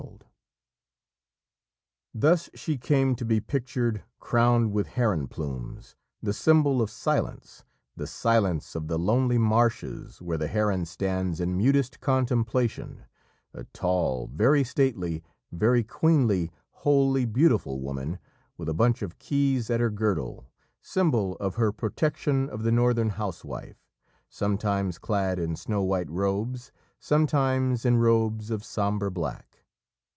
[Illustration: FREYA SAT SPINNING THE CLOUDS] Thus she came to be pictured crowned with heron plumes, the symbol of silence the silence of the lonely marshes where the heron stands in mutest contemplation a tall, very stately, very queenly, wholly beautiful woman, with a bunch of keys at her girdle symbol of her protection of the Northern housewife sometimes clad in snow white robes, sometimes in robes of sombre black.